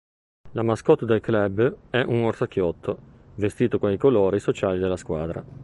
La mascotte del club è un orsacchiotto, vestito con i colori sociali della squadra.